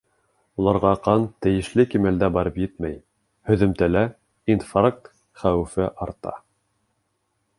Уларға ҡан тейешле кимәлдә барып етмәй, һөҙөмтәлә инфаркт хәүефе арта.